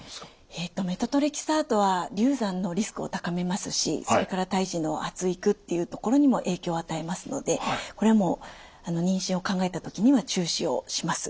えっとメトトレキサートは流産のリスクを高めますしそれから胎児の発育っていうところにも影響を与えますのでこれはもう妊娠を考えた時には中止をします。